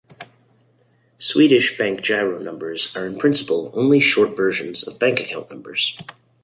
Swedish Bankgiro numbers are in principle only short versions of bank account numbers.